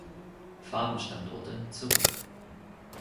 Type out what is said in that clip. Farben-Standorte zurück.